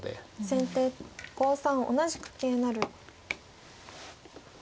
先手５三同じく桂成。